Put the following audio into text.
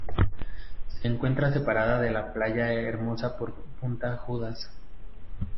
Se encuentra separada de Playa Hermosa por Punta Judas.